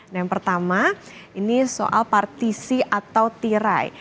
nah yang pertama ini soal partisi atau tirai